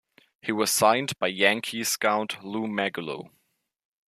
He was signed by Yankees scout Lou Maguolo.